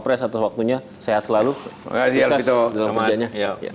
terima kasih dalam kerjanya